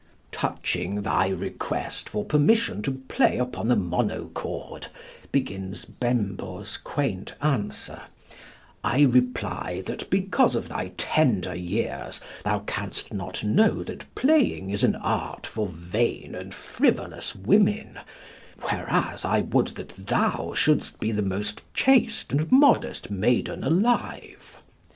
"Touching thy request for permission to play upon the monochord," begins Bembo's quaint answer, "I reply that because of thy tender years thou canst not know that playing is an art for vain and frivolous women, whereas I would that thou shouldst be the most chaste and modest maiden alive.